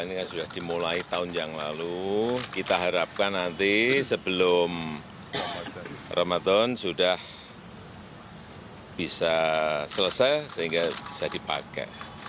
ini sudah dimulai tahun yang lalu kita harapkan nanti sebelum ramadan sudah bisa selesai sehingga bisa dipakai